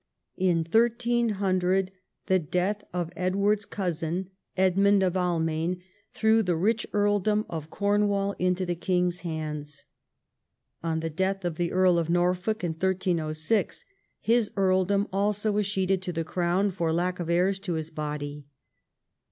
In 1300 the death of Edward's cousin, Edmund of Almaine, threw the rich earldom of Cornwall into the king's hands. On the death of the Earl of Norfolk in 1306 his earldom also escheated to the crown for lack of heirs to his body.